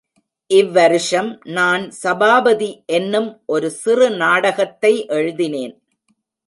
இவ்வருஷம் நான் சபாபதி என்னும் ஒரு சிறு நாடகத்தை எழுதினேன்.